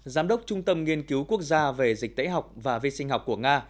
giám đốc trung tâm nghiên cứu quốc gia về dịch tễ học và vi sinh học của nga